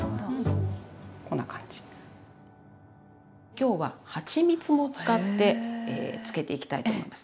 今日ははちみつを使って漬けていきたいと思います。